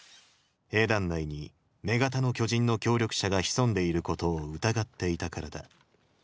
兵団内に女型の巨人の協力者が潜んでいることを疑っていたからだ。